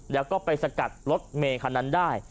แล้วก็ไปสกัดรถเมย์คันนั้นได้